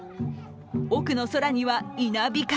奥の空には稲光。